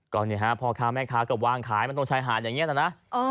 ก่อนนี้พ่อค้าแม่ค้าก็ว่างขายต้องใช้หาดอย่างนี้นะนะ